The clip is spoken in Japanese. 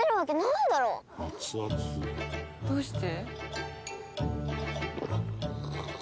「どうして？」